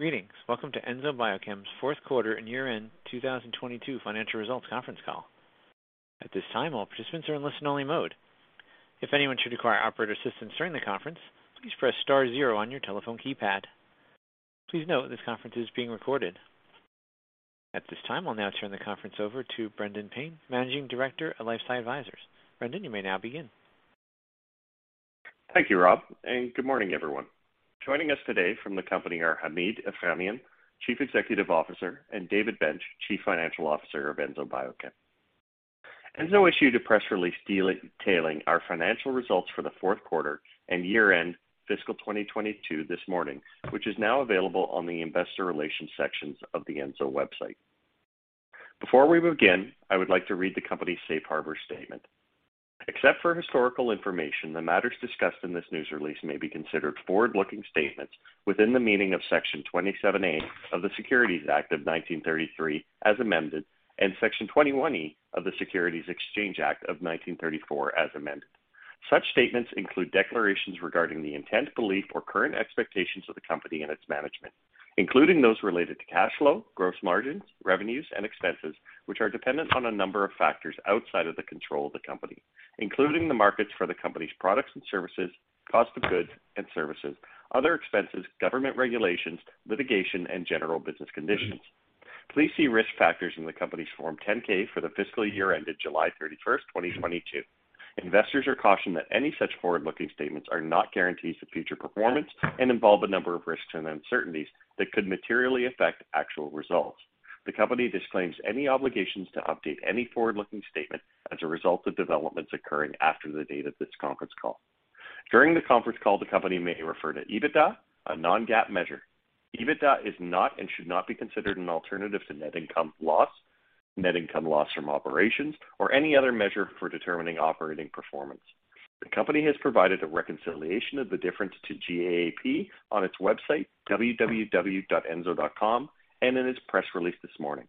Greetings. Welcome to Enzo Biochem's Q4 and year-end 2022 financial results conference call. At this time, all participants are in listen-only mode. If anyone should require operator assistance during the conference, please press star zero on your telephone keypad. Please note, this conference is being recorded. At this time, I'll now turn the conference over to Brendan Payne, Managing Director of LifeSci Advisors. Brendan, you may now begin. Thank you, Rob, and good morning, everyone. Joining us today from the company are Hamid Erfanian, Chief Executive Officer, and David Bench, Chief Financial Officer of Enzo Biochem. Enzo issued a press release detailing our financial results for the Q4 and year-end fiscal 2022 this morning, which is now available on the investor relations sections of the Enzo website. Before we begin, I would like to read the company's safe harbor statement. Except for historical information, the matters discussed in this news release may be considered forward-looking statements within the meaning of Section 27A of the Securities Act of 1933 as amended, and Section 21E of the Securities Exchange Act of 1934 as amended. Such statements include declarations regarding the intent, belief, or current expectations of the company and its management, including those related to cash flow, gross margins, revenues, and expenses, which are dependent on a number of factors outside of the control of the company, including the markets for the company's products and services, cost of goods and services, other expenses, government regulations, litigation, and general business conditions. Please see risk factors in the company's Form 10-K, for the fiscal year ended July 31, 2022. Investors are cautioned that any such forward-looking statements are not guarantees of future performance and involve a number of risks and uncertainties that could materially affect actual results. The company disclaims any obligations to update any forward-looking statement as a result of developments occurring after the date of this conference call. During the conference call, the company may refer to EBITDA, a non-GAAP measure. EBITDA is not and should not be considered an alternative to net income loss, net income loss from operations, or any other measure for determining operating performance. The company has provided a reconciliation of the difference to GAAP on its website, www.enzo.com, and in its press release this morning.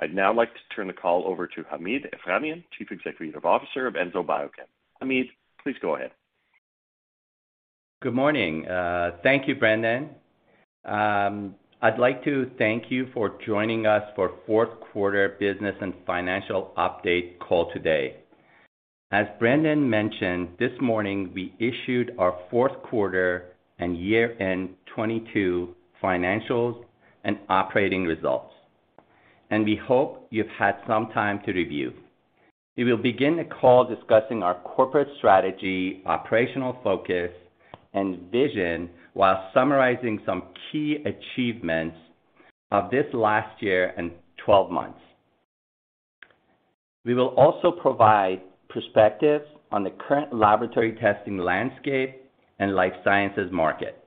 I'd now like to turn the call over to Hamid Erfanian, Chief Executive Officer of Enzo Biochem. Hamid, please go ahead. Good morning. Thank you, Brendan. I'd like to thank you for joining us for Q4 business and financial update call today. As Brendan mentioned, this morning we issued our Q4 and year-end 2022 financials and operating results, and we hope you've had some time to review. We will begin the call discussing our corporate strategy, operational focus, and vision while summarizing some key achievements of this last year and 12 months. We will also provide perspectives on the current laboratory testing landscape and life sciences market.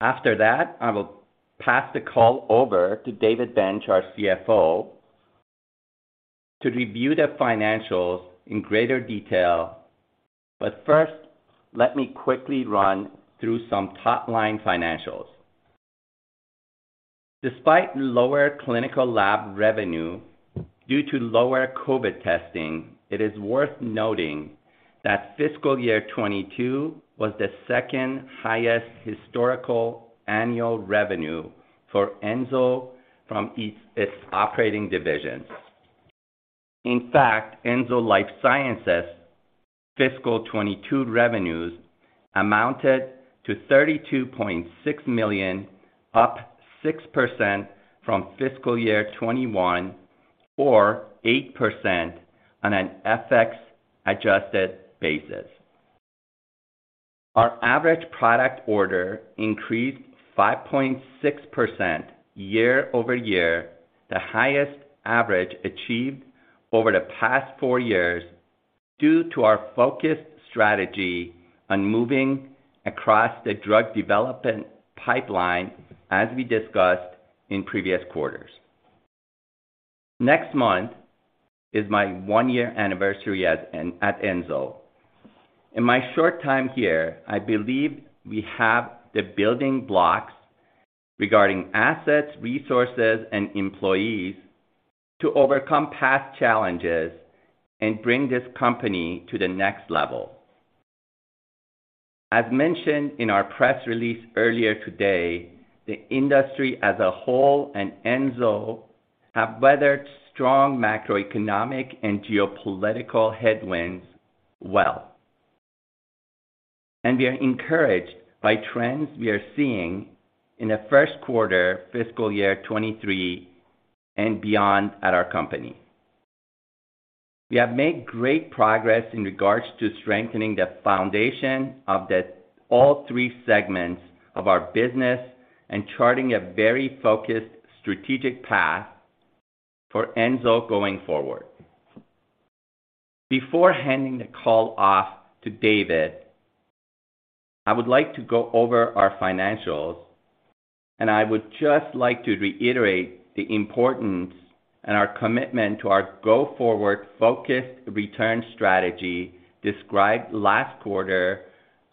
After that, I will pass the call over to David Bench, our CFO, to review the financials in greater detail. First, let me quickly run through some top-line financials. Despite lower clinical lab revenue due to lower COVID testing, it is worth noting that fiscal year 2022 was the second highest historical annual revenue for Enzo from its operating divisions. In fact, Enzo Life Sciences fiscal 2022 revenues amounted to $32.6 million, up 6% from fiscal year 2021 or 8% on an FX adjusted basis. Our average product order increased 5.6% year-over-year, the highest average achieved over the past four years, due to our focused strategy on moving across the drug development pipeline, as we discussed in previous quarters. Next month is my one-year anniversary at Enzo. In my short time here, I believe we have the building blocks regarding assets, resources, and employees to overcome past challenges and bring this company to the next level. As mentioned in our press release earlier today, the industry as a whole and Enzo have weathered strong macroeconomic and geopolitical headwinds well. We are encouraged by trends we are seeing in the Q1 fiscal year 2023 and beyond at our company. We have made great progress in regards to strengthening the foundation of the all three segments of our business and charting a very focused strategic path for Enzo going forward. Before handing the call off to David, I would like to go over our financials, and I would just like to reiterate the importance and our commitment to our go-forward focused return strategy described last quarter,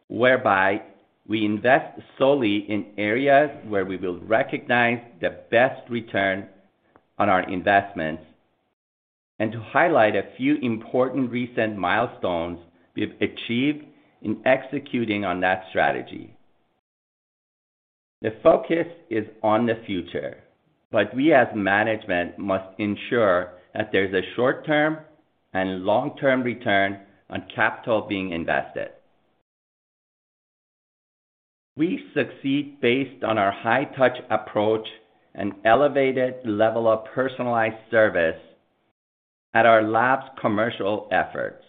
whereby we invest solely in areas where we will recognize the best return on our investments. To highlight a few important recent milestones, we've achieved in executing on that strategy. The focus is on the future, but we as management must ensure that there's a short-term and long-term return on capital being invested. We succeed based on our high touch approach and elevated level of personalized service at our lab's commercial efforts.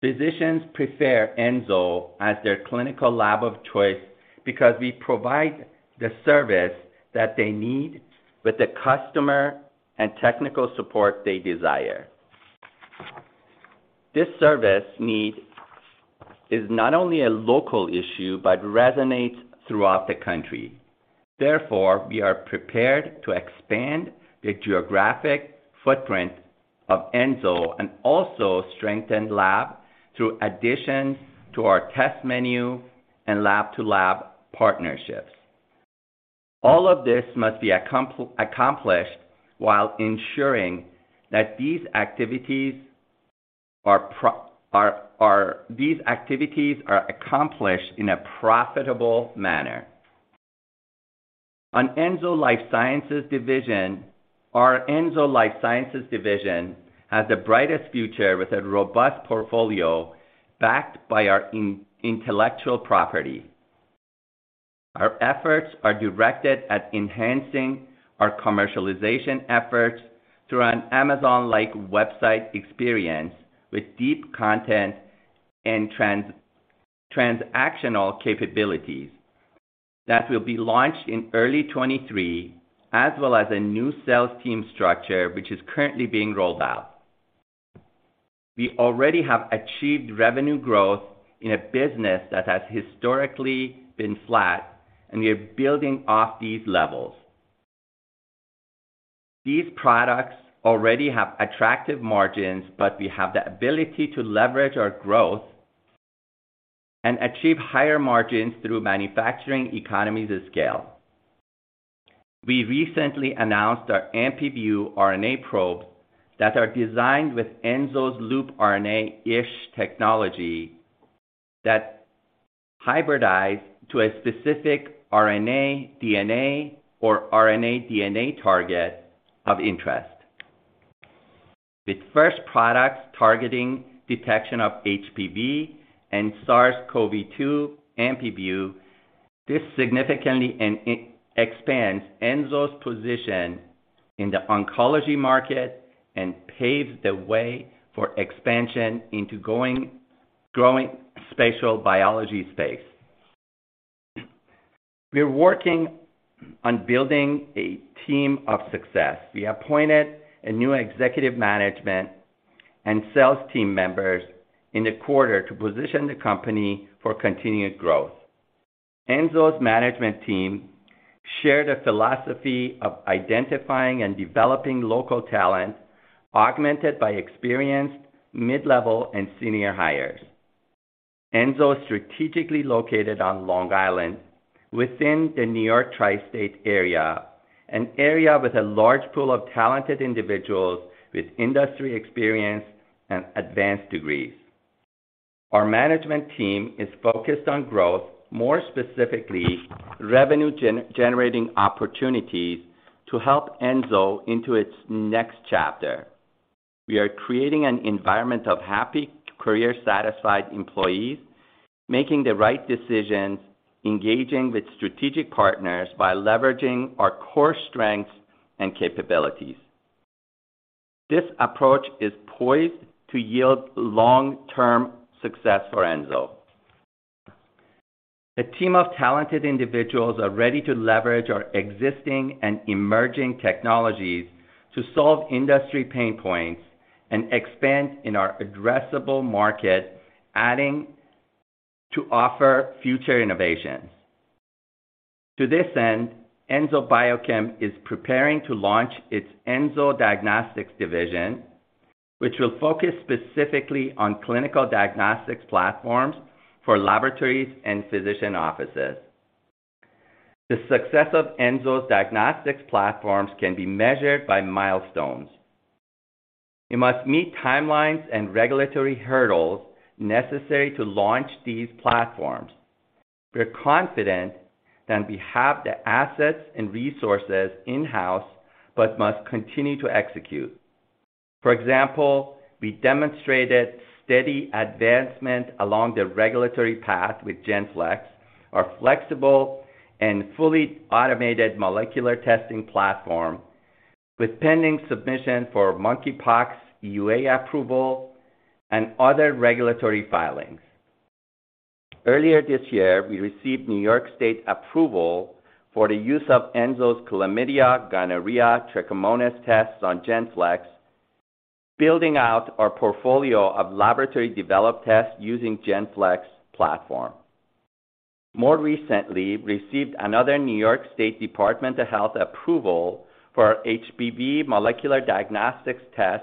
Physicians prefer Enzo as their clinical lab of choice because we provide the service that they need with the customer and technical support they desire. This service need is not only a local issue, but resonates throughout the country. Therefore, we are prepared to expand the geographic footprint of Enzo and also strengthen lab through additions to our test menu and lab-to-lab partnerships. All of this must be accomplished while ensuring that these activities are accomplished in a profitable manner. Our Enzo Life Sciences division has the brightest future with a robust portfolio backed by our intellectual property. Our efforts are directed at enhancing our commercialization efforts through an Amazon-like website experience with deep content and transactional capabilities that will be launched in early 2023, as well as a new sales team structure which is currently being rolled out. We already have achieved revenue growth in a business that has historically been flat, and we are building off these levels. These products already have attractive margins, but we have the ability to leverage our growth and achieve higher margins through manufacturing economies of scale. We recently announced our AMPIVIEW RNA probe that are designed with Enzo's LoopRNA ISH technology that hybridize to a specific RNA, DNA, or RNA-DNA target of interest. With first products targeting detection of HPV and SARS-CoV-2 AMPIVIEW, this significantly expands Enzo's position in the oncology market and paves the way for expansion into growing spatial biology space. We're working on building a team for success. We appointed a new executive management and sales team members in the quarter to position the company for continued growth. Enzo's management team share the philosophy of identifying and developing local talent, augmented by experienced mid-level and senior hires. Enzo is strategically located on Long Island within the New York tri-state area, an area with a large pool of talented individuals with industry experience and advanced degrees. Our management team is focused on growth, more specifically, revenue generating opportunities to help Enzo into its next chapter. We are creating an environment of happy, career-satisfied employees, making the right decisions, engaging with strategic partners by leveraging our core strengths and capabilities. This approach is poised to yield long-term success for Enzo. A team of talented individuals are ready to leverage our existing and emerging technologies to solve industry pain points and expand in our addressable market, adding to offer future innovations. To this end, Enzo Biochem is preparing to launch its Enzo Diagnostics division, which will focus specifically on clinical diagnostics platforms for laboratories and physician offices. The success of Enzo's diagnostics platforms can be measured by milestones. We must meet timelines and regulatory hurdles necessary to launch these platforms. We're confident that we have the assets and resources in-house, but must continue to execute. For example, we demonstrated steady advancement along the regulatory path with GenFlex, our flexible and fully automated molecular testing platform, with pending submission for Monkeypox EUA approval and other regulatory filings. Earlier this year, we received New York State approval for the use of Enzo's chlamydia, gonorrhea, trichomonas tests on GenFlex, building out our portfolio of laboratory developed tests using GenFlex platform. More recently, we received another New York State Department of Health approval for our HBV molecular diagnostics test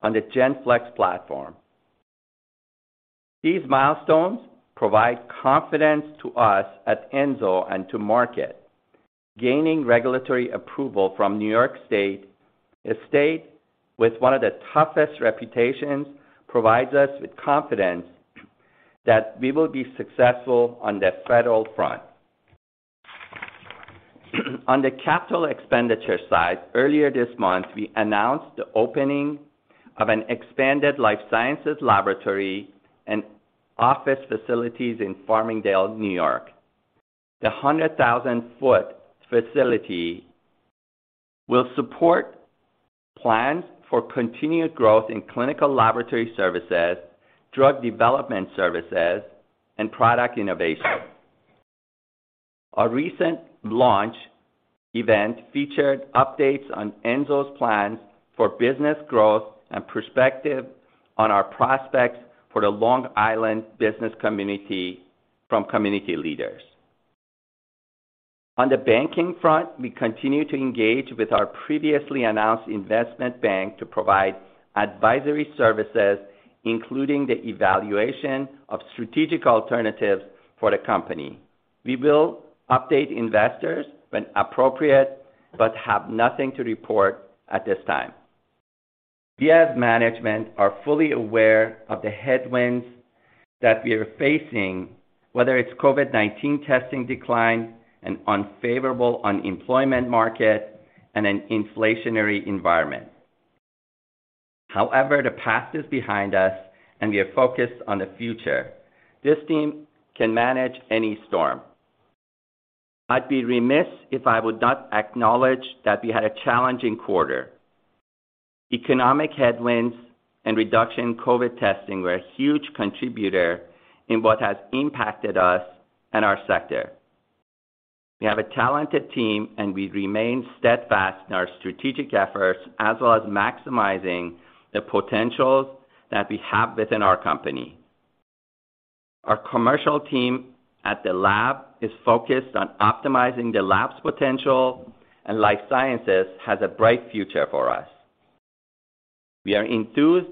on the GenFlex platform. These milestones provide confidence to us at Enzo and to the market. Gaining regulatory approval from New York State, a state with one of the toughest reputations, provides us with confidence that we will be successful on the federal front. On the capital expenditure side, earlier this month, we announced the opening of an expanded life sciences laboratory and office facilities in Farmingdale, New York. The 100,000-square-foot facility will support plans for continued growth in clinical laboratory services, drug development services, and product innovation. A recent launch event featured updates on Enzo's plans for business growth and perspective on our prospects for the Long Island business community from community leaders. On the banking front, we continue to engage with our previously announced investment bank to provide advisory services, including the evaluation of strategic alternatives for the company. We will update investors when appropriate, but have nothing to report at this time. We, as management, are fully aware of the headwinds that we are facing, whether it's COVID-19 testing decline and unfavorable employment market and an inflationary environment. However, the past is behind us, and we are focused on the future. This team can manage any storm. I'd be remiss if I would not acknowledge that we had a challenging quarter. Economic headwinds and reduction in COVID testing were a huge contributor in what has impacted us and our sector. We have a talented team, and we remain steadfast in our strategic efforts as well as maximizing the potentials that we have within our company. Our commercial team at the lab is focused on optimizing the lab's potential, and life sciences has a bright future for us. We are enthused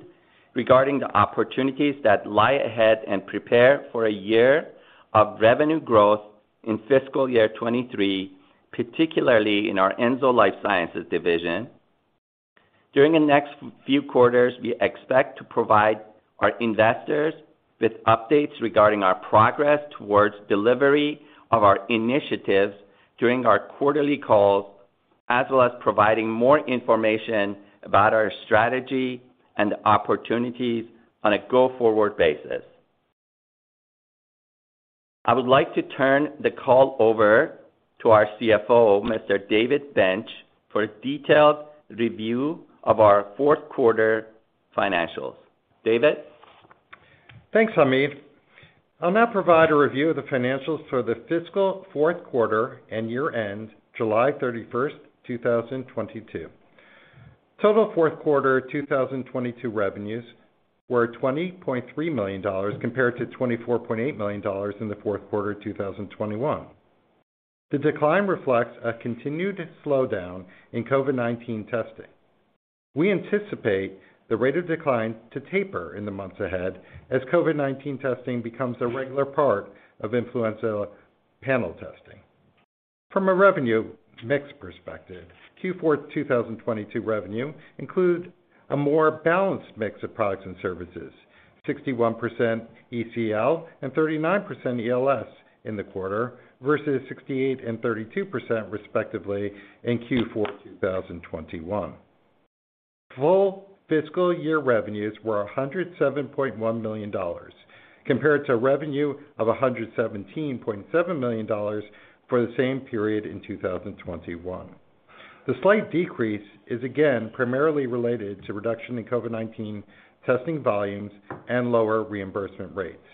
regarding the opportunities that lie ahead and prepare for a year of revenue growth in fiscal year 2023, particularly in our Enzo Life Sciences division. During the next few quarters, we expect to provide our investors with updates regarding our progress towards delivery of our initiatives during our quarterly calls, as well as providing more information about our strategy and opportunities on a go-forward basis. I would like to turn the call over to our CFO, Mr. David Bench, for a detailed review of our Q4 financials. David? Thanks, Hamid. I'll now provide a review of the financials for the fiscal Q4 and year-end July 31, 2022. Total Q4 2022 revenues were $23 million compared to $24.8 million in the Q4 of 2021. The decline reflects a continued slowdown in COVID-19 testing. We anticipate the rate of decline to taper in the months ahead as COVID-19 testing becomes a regular part of influenza panel testing. From a revenue mix perspective, Q4 2022 revenue include a more balanced mix of products and services, 61% ECL and 39% ELS in the quarter versus 68% and 32% respectively in Q4 2021. Full fiscal year revenues were $107.1 million compared to revenue of $117.7 million for the same period in 2021. The slight decrease is again primarily related to reduction in COVID-19 testing volumes and lower reimbursement rates.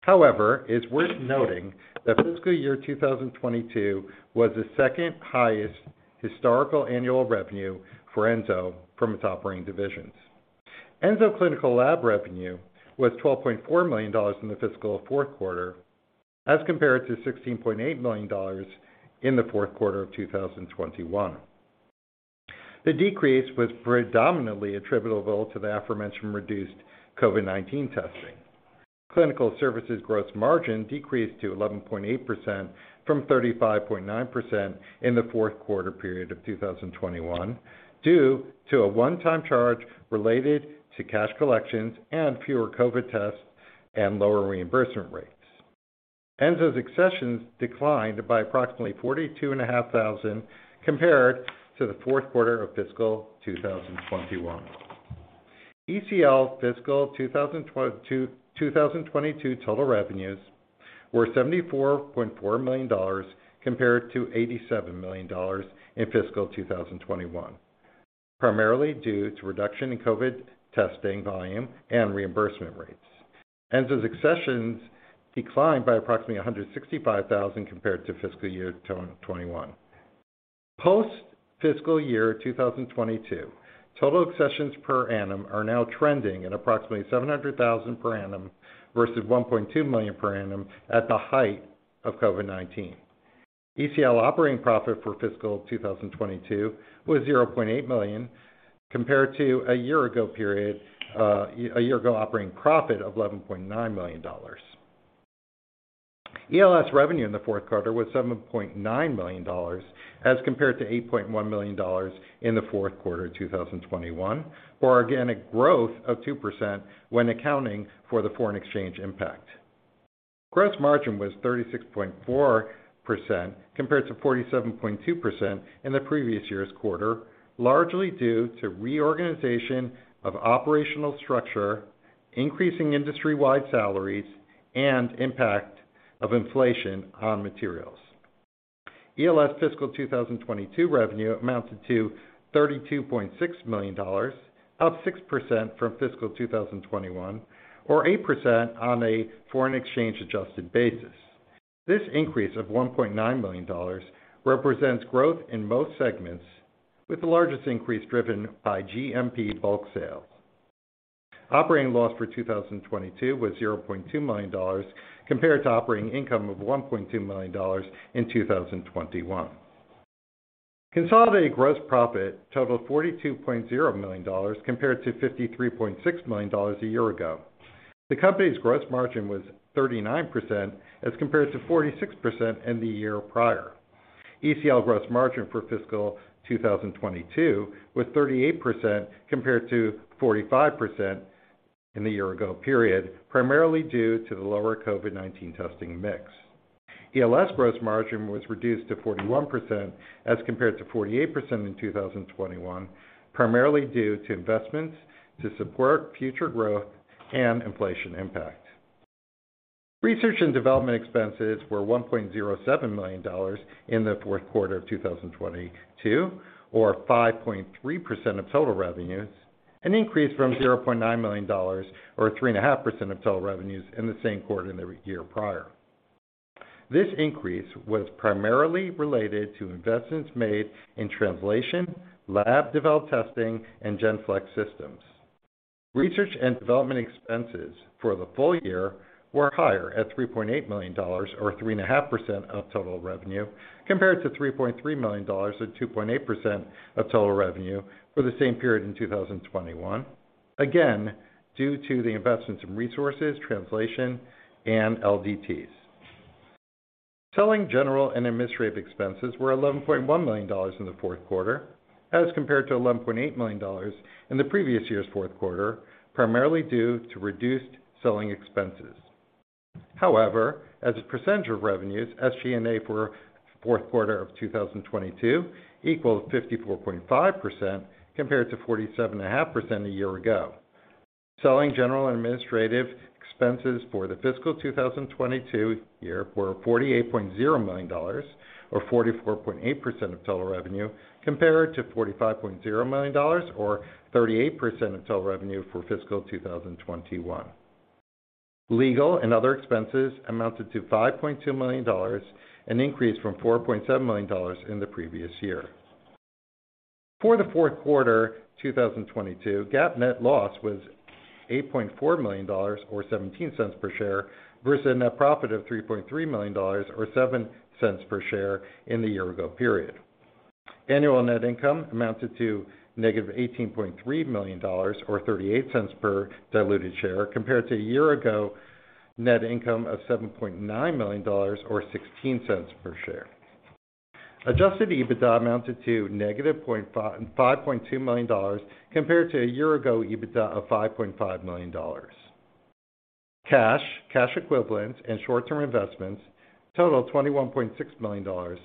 However, it's worth noting that fiscal year 2022 was the second highest historical annual revenue for Enzo from its operating divisions. Enzo Clinical Labs revenue was $12.4 million in the fiscal Q4 as compared to $16.8 million in the Q4 of 2021. The decrease was predominantly attributable to the aforementioned reduced COVID-19 testing. Clinical services gross margin decreased to 11.8% from 35.9% in the Q4 of 2021 due to a one-time charge related to cash collections and fewer COVID tests and lower reimbursement rates. Enzo's accessions declined by approximately 42,500 compared to the Q4 of fiscal 2021. ECL fiscal 2022 total revenues were $74.4 million compared to $87 million in fiscal 2021, primarily due to reduction in COVID testing volume and reimbursement rates. Enzo's accessions declined by approximately 165,000 compared to fiscal year 2021. Post-fiscal year 2022, total accessions per annum are now trending at approximately 700,000 p.a. Versus 1.2 million per annum at the height of COVID-19. ECL operating profit for fiscal 2022 was $0.8 million, compared to a year ago period, a year ago operating profit of $11.9 million. ELS revenue in the Q4 was $7.9 million as compared to $8.1 million in the fourth quarter 2021, for organic growth of 2% when accounting for the foreign exchange impact. Gross margin was 36.4% compared to 47.2% in the previous year's quarter, largely due to reorganization of operational structure, increasing industry wide salaries, and impact of inflation on materials. ELS fiscal 2022 revenue amounted to $32.6 million, up 6% from fiscal 2021, or 8% on a foreign exchange adjusted basis. This increase of $1.9 million represents growth in most segments, with the largest increase driven by GMP bulk sales. Operating loss for 2022 was $0.2 million compared to operating income of $1.2 million in 2021. Consolidated gross profit totaled $42.0 million compared to $53.6 million a year ago. The company's gross margin was 39% as compared to 46% in the year prior. ECL gross margin for fiscal 2022 was 38% compared to 45% in the year ago period, primarily due to the lower COVID-19 testing mix. ELS gross margin was reduced to 41% as compared to 48% in 2021, primarily due to investments to support future growth and inflation impact. Research and development expenses were $1.07 million in the Q4 of 2022, or 5.3% of total revenues, an increase from $0.9 million or 3.5% of total revenues in the same quarter in the year prior. This increase was primarily related to investments made in translational, lab developed testing, and GenFlex systems. Research and development expenses for the full year were higher at $3.8 million or 3.5% of total revenue compared to $3.3 million or 2.8% of total revenue for the same period in 2021. Again, due to the investments in resources, translation, and LDTs. Selling general and administrative expenses were $11.1 million in the Q4 as compared to $11.8 million in the previous year's Q4, primarily due to reduced selling expenses. However, as a percentage of revenues, SG&A for Q4 of 2022 equals 54.5% compared to 47.5% a year ago. Selling general and administrative expenses for the fiscal 2022 year were $48.0 million or 44.8% of total revenue, compared to $45.0 million or 38% of total revenue for fiscal 2021. Legal and other expenses amounted to $5.2 million, an increase from $4.7 million in the previous year. For the Q4 2022, GAAP net loss was $8.4 million or $0.17 per share, versus a net profit of $3.3 million or $0.07 per share in the year-ago period. Annual net income amounted to negative $18.3 million, or $0.38 per diluted share, compared to a year-ago net income of $7.9 million or $0.16 per share. Adjusted EBITDA amounted to negative $5.2 million compared to a year-ago EBITDA of $5.5 million. Cash, cash equivalents, and short-term investments totaled $21.6 million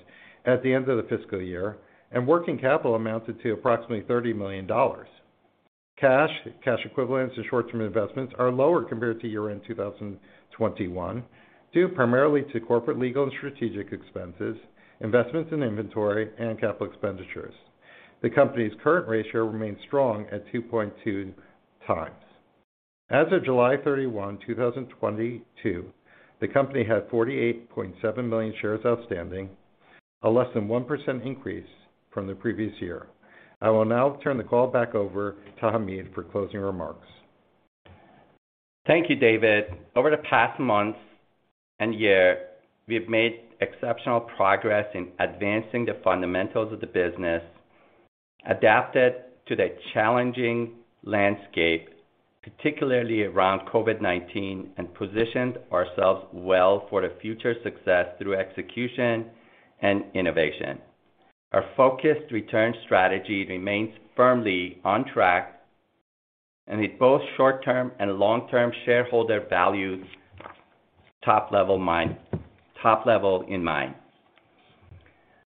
at the end of the fiscal year, and working capital amounted to approximately $30 million. Cash, cash equivalents and short-term investments are lower compared to year-end 2021, due primarily to corporate legal and strategic expenses, investments in inventory, and capital expenditures. The company's current ratio remains strong at 2.2x. As of July 31, 2022, the company had 48.7 million shares outstanding, a less than 1% increase from the previous year. I will now turn the call back over to Hamid for closing remarks. Thank you, David. Over the past month and year, we have made exceptional progress in advancing the fundamentals of the business, adapted to the challenging landscape, particularly around COVID-19, and positioned ourselves well for the future success through execution and innovation. Our focused return strategy remains firmly on track and with both short-term and long-term shareholder values top of mind.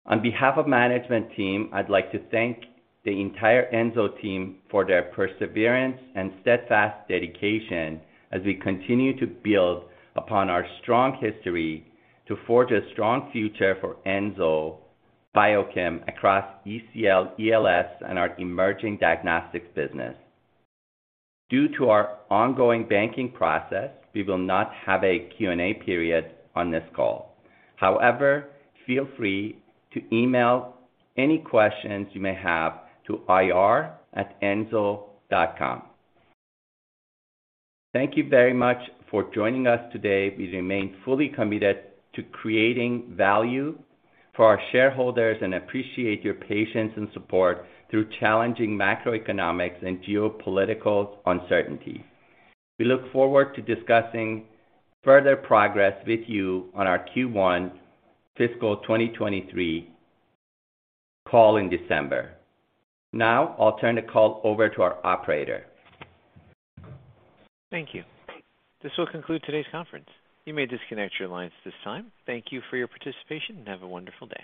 On behalf of management team, I'd like to thank the entire Enzo team for their perseverance and steadfast dedication as we continue to build upon our strong history to forge a strong future for Enzo Biochem across ECL, ELS, and our emerging diagnostics business. Due to our ongoing banking process, we will not have a Q&A period on this call. However, feel free to email any questions you may have to ir@enzo.com. Thank you very much for joining us today. We remain fully committed to creating value for our shareholders and appreciate your patience and support through challenging macroeconomics and geopolitical uncertainty. We look forward to discussing further progress with you on our Q1 fiscal 2023 call in December. Now I'll turn the call over to our operator. Thank you. This will conclude today's conference. You may disconnect your lines at this time. Thank you for your participation, and have a wonderful day.